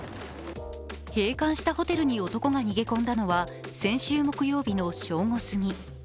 閉館したホテルに男が逃げ込んだのは先週木曜日の正午過ぎ。